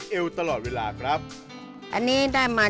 คิกคิกคิกคิกคิกคิกคิกคิก